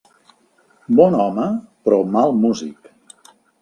Bon home però mal músic.